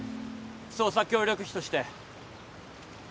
捜査協力費として。